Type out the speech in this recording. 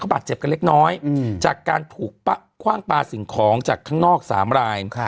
บาดเจ็บกันเล็กน้อยจากการถูกคว่างปลาสิ่งของจากข้างนอก๓ราย